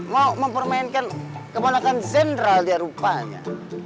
mau mempermainkan kebonakan jendral dia rupanya